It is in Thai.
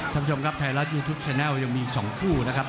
ท่านผู้ชมครับไทยรัฐยูทูปแนลยังมีอีก๒คู่นะครับ